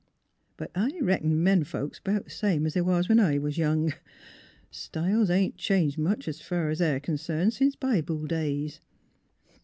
But I reckon men folks 's 'bout the same 's they was when I was young; in fact, styles ain't changed much, es fur es they're concerned, since Bible days.